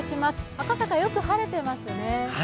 赤坂よく晴れてますね。